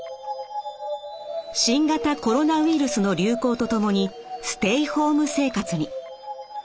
新型コロナウイルスの流行とともにステイホーム生活に。